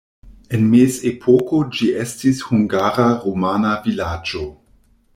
En mezepoko ĝi estis hungara-rumana vilaĝo.